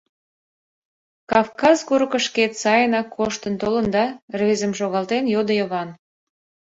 — Кавказ курыкышкет сайынак коштын толында? — рвезым шогалтен, йодо Йыван.